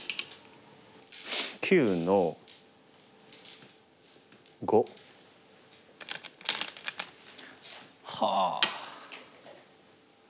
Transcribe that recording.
９の五。はあ。